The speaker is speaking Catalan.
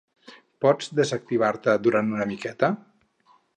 Pots desactivar-te durant una miqueta?